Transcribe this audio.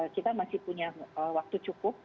kita masih punya waktu cukup